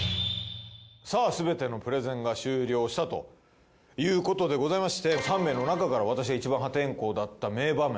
さあすべてのプレゼンが終了したということでございまして３名の中から私がいちばん破天荒だった名場面